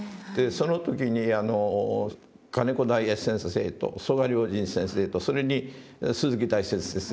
その時に金子大栄先生と曽我量深先生とそれに鈴木大拙先生